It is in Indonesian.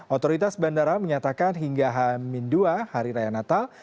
otoritas bandara menyatakan hingga hamindua hari raya natal